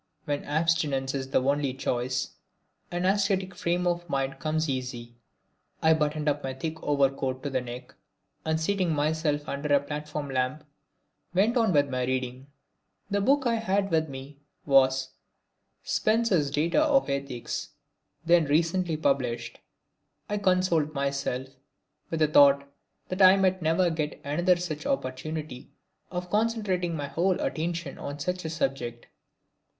When abstinence is the only choice, an ascetic frame of mind comes easy. I buttoned up my thick overcoat to the neck and seating myself under a platform lamp went on with my reading. The book I had with me was Spencer's Data of Ethics, then recently published. I consoled myself with the thought that I might never get another such opportunity of concentrating my whole attention on such a subject.